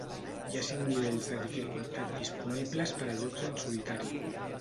Hi ha cinc nivells de dificultat disponibles per a jocs en solitari.